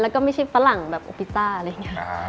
แล้วก็ไม่ใช่ฝรั่งแบบพิซซ่าอะไรอย่างเงี้ย